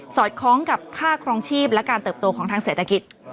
อดคล้องกับค่าครองชีพและการเติบโตของทางเศรษฐกิจ